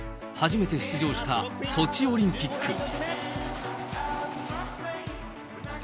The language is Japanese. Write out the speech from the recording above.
初めて出場したソチオリンピック。